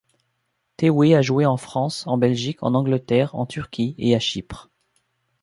Téhoué a joué en France, en Belgique, en Angleterre, en Turquie et à Chypre.